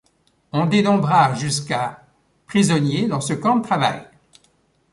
On dénombra jusqu'à prisonniers dans ce camp de travail.